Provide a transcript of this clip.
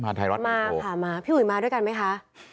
ไทยรัฐมาค่ะมาพี่อุ๋ยมาด้วยกันไหมคะ